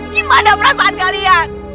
gimana perasaan kalian